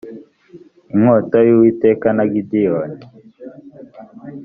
inkota y uwiteka na gideyoni